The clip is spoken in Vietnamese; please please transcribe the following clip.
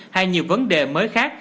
hay nhiều vấn đề mới khác